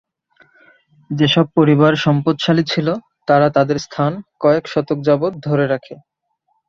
যেসব পরিবার সম্পদশালী ছিল তারা তাদের স্থান কয়েক শতক যাবৎ ধরে রাখে।